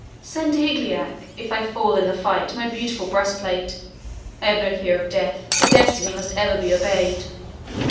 Send to Higelac, if I fall in the fight, my beautiful breastplate. I have no fear of death, for Destiny must ever be obeyed."